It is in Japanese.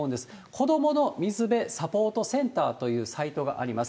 子供の水辺サポートセンターというサイトがあります。